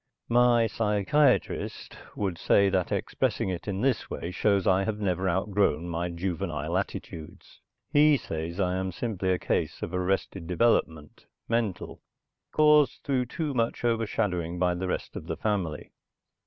My psychiatrist would say that expressing it in this way shows I have never outgrown my juvenile attitudes. He says I am simply a case of arrested development, mental, caused through too much over shadowing by the rest of the family.